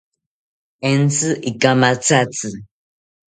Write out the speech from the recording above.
Entzi ikamathatzi